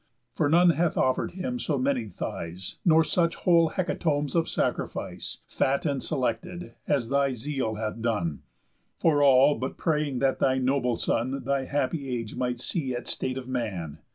For none hath offer'd him so many thighs, Nor such whole hecatombs of sacrifice, Fat and selected, as thy zeal hath done; For all, but praying that thy noble son, Thy happy age might see at state of man.